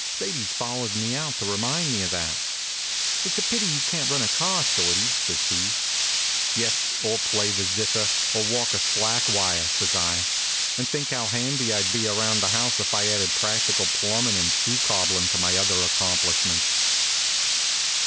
Sadie s followed me out to re mind me of that. E< It s a pity you can t run a car, Shorty," says she. * Yes, or play the zither, or walk a slack wire," says I. " And think how handy I d be around the house if I d added practical plumbing and shoe cobblin to my other accomplishments."